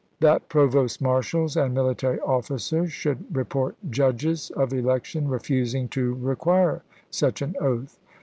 That provost marshals and military General officcrs sliould rcport judgcs of clcction refusing to No. 53. MS. require such an oath.